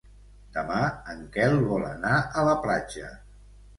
Demà en Quel vol anar a la platja.